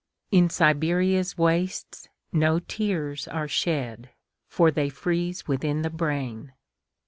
In Siberia's wastesNo tears are shed, For they freeze within the brain.